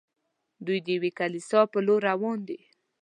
دوی د یوې کلیسا پر لور روان دي.